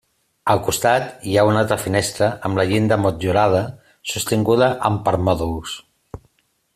Al costat hi ha una altra finestra, amb la llinda motllurada sostinguda amb permòdols.